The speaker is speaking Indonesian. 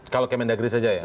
kalau kemendagri saja ya